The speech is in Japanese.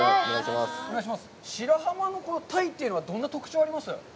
白浜の鯛というのは、どんな特徴があります？